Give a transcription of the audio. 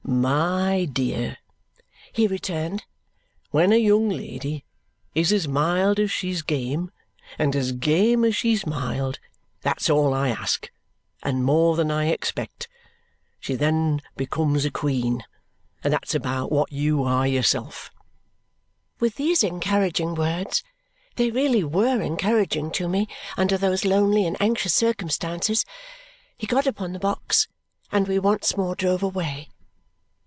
"My dear," he returned, "when a young lady is as mild as she's game, and as game as she's mild, that's all I ask, and more than I expect. She then becomes a queen, and that's about what you are yourself." With these encouraging words they really were encouraging to me under those lonely and anxious circumstances he got upon the box, and we once more drove away.